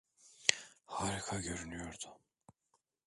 Harika görünüyordu.